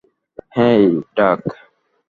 হেই, dark.